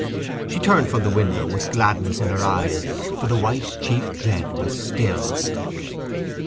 She turned from the window with gladness in her eyes, for the wife's chief dread was stilled.